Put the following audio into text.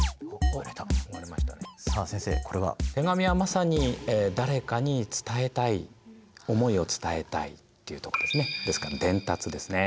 手紙はまさに誰かに伝えたい思いを伝えたいっていうとこですねですから「伝達」ですね。